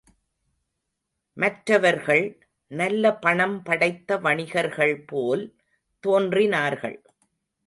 மற்றவர்கள், நல்ல பணம் படைத்த வணிகர்கள் போல் தோன்றினார்கள்.